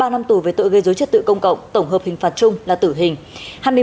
ba năm tù về tội gây dối trật tự công cộng tổng hợp hình phạt chung là tử hình